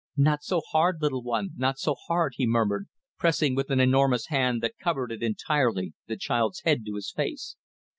"Not so hard, little one, not so hard," he murmured, pressing with an enormous hand, that covered it entirely, the child's head to his face.